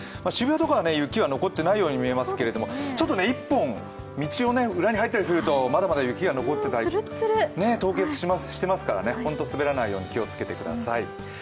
渋谷とかは雪が残っていないように見えますけれども、ちょっと１本道を裏に入ったりするとまだまだ雪が残ってたり、凍結してますから、本当に滑らないように気をつけてください。